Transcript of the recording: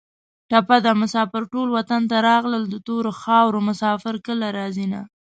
ټپه ده: مسافر ټول وطن ته راغلل د تورو خارو مسافر کله راځینه